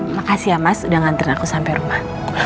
makasih ya mas udah nganterin aku sampe rumah